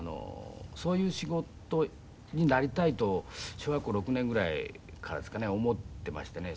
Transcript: そういう仕事になりたいと小学校６年ぐらいからですかね思っていましてね。